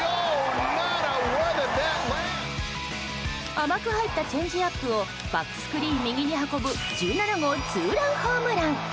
甘く入ったチェンジアップをバックスクリーン右に運ぶ１７号ツーランホームラン。